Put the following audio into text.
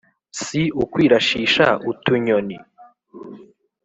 Si ukwirashisha utunyoni